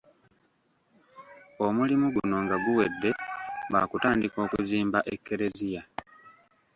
Omulimu guno nga guwedde baakutandika okuzimba ekkereziya.